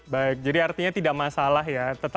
baik jadi artinya tidak masalah ya